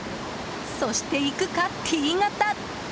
そして行くか、Ｔ型！